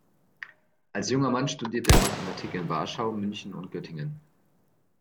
Als junger Mann studierte er Mathematik in Warschau, München und Göttingen.